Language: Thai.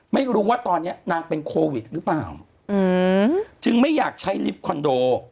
ไม่รู้ว่าตอนเนี้ยนางเป็นโควิดหรือเปล่าจึงไม่อยากใช้ลิฟต์คอนโด